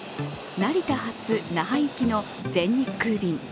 成田発那覇行きの全日空便。